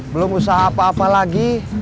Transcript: belum usaha apa apa lagi